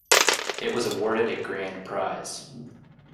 It was awarded a "Grand Prize".